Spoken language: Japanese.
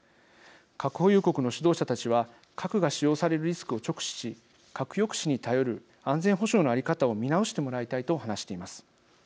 核保有国の指導者たちは核が使用されるリスクを直視し核抑止に頼る安全保障の在り方を見直してもらいたい」と話しています。